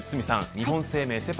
日本生命セ・パ